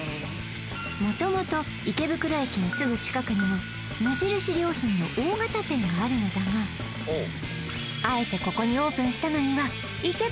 元々池袋駅のすぐ近くにも無印良品の大型店があるのだがあえてここにオープンしたのには